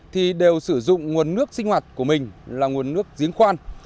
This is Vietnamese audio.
thì đều sử dụng nguồn nước sinh hoạt của mình là nguồn nước giếng khoan